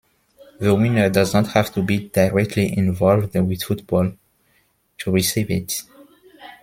The winner doesn't have to be directly involved with football to receive it.